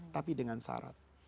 tapi dengan syarat